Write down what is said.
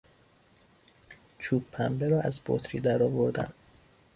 چوب پنبه را از بطری درآوردن